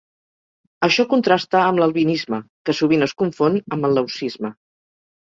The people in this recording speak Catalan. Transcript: Això contrasta amb l'albinisme, que sovint es confon amb el leucisme.